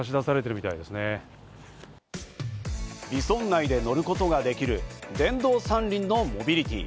ＶＩＳＯＮ内で乗ることができる電動三輪のモビリティ。